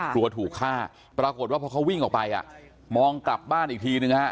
กลัวถูกฆ่าปรากฏว่าพอเขาวิ่งออกไปมองกลับบ้านอีกทีนึงฮะ